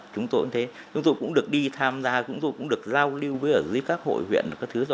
chúng tôi cũng được đi tham gia cũng được giao lưu với các hội huyện